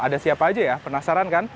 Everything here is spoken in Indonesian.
ada siapa aja ya penasaran kan